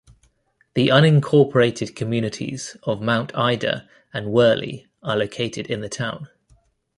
The unincorporated communities of Mount Ida and Werley are located in the town.